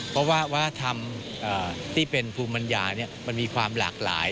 เพราะว่าวัฒนธรรมที่เป็นภูมิปัญญามันมีความหลากหลาย